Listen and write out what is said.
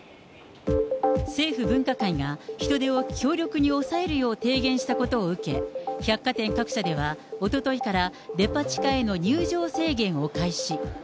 政府分科会が人出を強力に抑えるよう提言したことを受け、百貨店各社ではおとといから、デパ地下への入場制限を開始。